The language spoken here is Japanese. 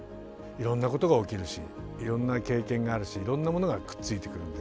いろんなことが起きるしいろんな経験があるしいろんなものがくっついてくるんで。